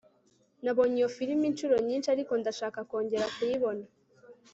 Nabonye iyo firime inshuro nyinshi ariko ndashaka kongera kuyibona